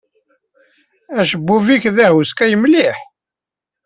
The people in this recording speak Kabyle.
Acebbub-nnek d ahuskay mliḥ.